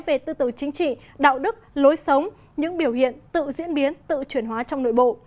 về tư tử chính trị đạo đức lối sống những biểu hiện tự diễn biến tự chuyển hóa trong nội bộ